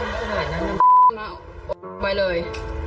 โดดไปเลย